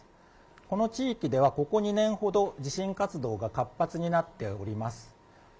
この地域では、ここ２年ほど、地震活動が活発になっております。